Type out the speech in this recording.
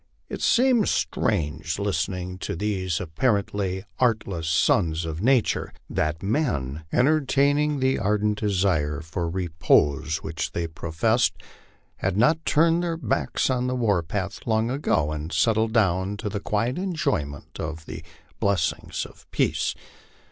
It seemed strange, listening to these apparently " artless sons of nature," that men entertaining the ardent desire for repose which they professed, had not turned their backs on the war path long ago, and settled down to the quiet enjoyment of the blessings of peace.